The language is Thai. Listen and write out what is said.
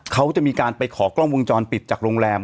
เขาจะมีการไปขอกล้องวงจรปิดจากโรงแรม